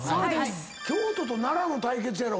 京都と奈良の対決やろ